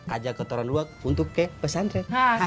ajak kotoran lu untuk ke persantrenya